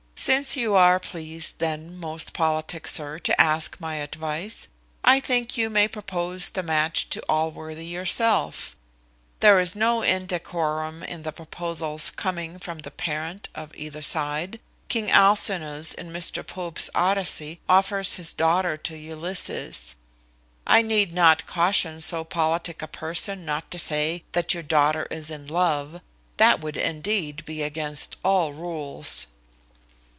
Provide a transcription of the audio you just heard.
Since you are pleased, then, most politic sir, to ask my advice, I think you may propose the match to Allworthy yourself. There is no indecorum in the proposal's coming from the parent of either side. King Alcinous, in Mr Pope's Odyssey, offers his daughter to Ulysses. I need not caution so politic a person not to say that your daughter is in love; that would indeed be against all rules."